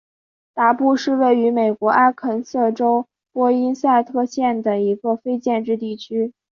达布是位于美国阿肯色州波因塞特县的一个非建制地区。